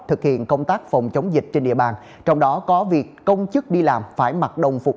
thực hiện công tác phòng chống dịch trên địa bàn trong đó có việc công chức đi làm phải mặc đồng phục